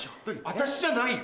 私じゃないよ！